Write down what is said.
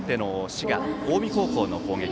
滋賀・近江高校の攻撃。